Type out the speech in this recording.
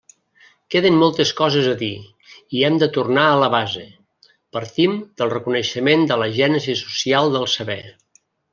Queden moltes coses a dir, i hem de tornar a la base: partim del reconeixement de la gènesi social del saber.